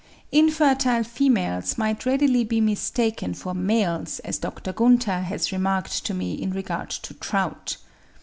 Infertile females might readily be mistaken for males, as Dr. Gunther has remarked to me in regard to trout.